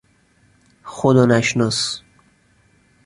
خدا نشناس